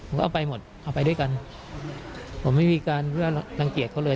เอาไปหมดเอาไปด้วยกันผมไม่มีการเพื่อรังเกียจเขาเลย